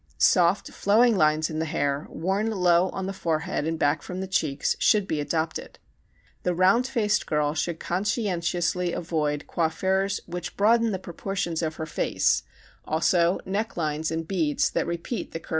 Soft flowing lines in the hair, worn low on the forehead and back from the cheeks, should be adopted. The round faced girl should conscientiously avoid coiffures which broaden the proportions of her face, also neck lines and beads that repeat the curve of her chin.